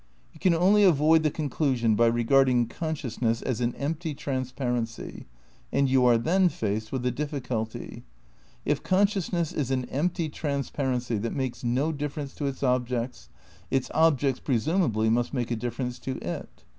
You can only avoid the conclusion by regarding con sciousness as an empty transparency; and you are then faced with a difficulty. If consciousness is an empty transparency that makes no difference to its objects, its objects, presumably, must make a difference to it.